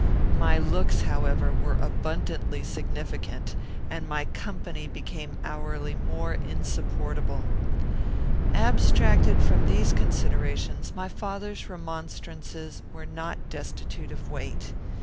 My looks, however, were abundantly significant, and my company became hourly more insupportable. Abstracted from these considerations, my father's remonstrances were not destitute of weight.